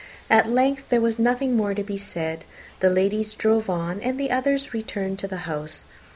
At length there was nothing more to be said; the ladies drove on, and the others returned into the house.